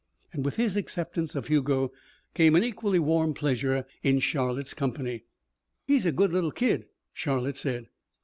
And with his acceptance of Hugo came an equally warm pleasure in Charlotte's company. "He's a good little kid," Charlotte said.